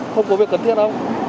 không có việc cần thiết không